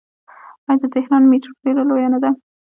آیا د تهران میټرو ډیره لویه نه ده؟